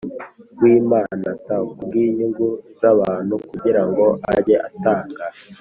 W imana t ku bw inyungu z abantu kugira ngo ajye atanga